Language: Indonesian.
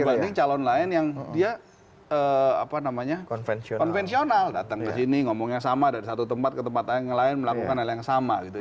dibanding calon lain yang dia konvensional datang ke sini ngomongnya sama dari satu tempat ke tempat lain melakukan hal yang sama gitu